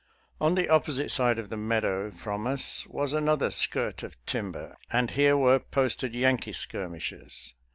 On the opposite side of the meadow from us was another skirt of timber, and here were posted Yankee skirmishers.